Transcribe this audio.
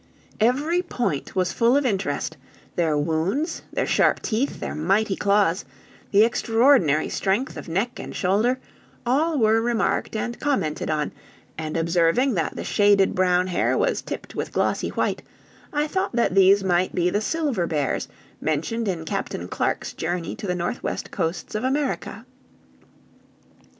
Every point was full of interest, their wounds, their sharp teeth, their mighty claws, the extraordinary strength of neck and shoulder, all were remarked and commented on, and observing that the shaded brown hair was tipped with glossy white, I thought that these might be the silver bears mentioned in Captain Clarke's journey to the northwest coasts of America.